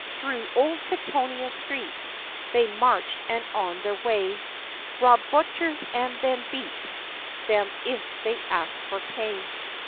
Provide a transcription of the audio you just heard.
Through old Kittonia Street They marched, and on the way Robbed butchers and then beat Them if they asked for pay.